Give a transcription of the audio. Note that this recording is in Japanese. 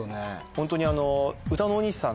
ホントに。